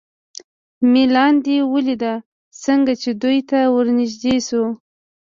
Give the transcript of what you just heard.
مې لاندې ولید، څنګه چې دوی ته ور نږدې شو.